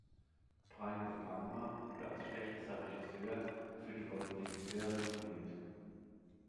Brian De Palma wurde als "schlechtester Regisseur" für die Goldene Himbeere nominiert.